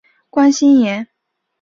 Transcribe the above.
关心妍